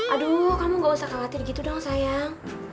aduh kamu gak usah khawatir gitu dong sayang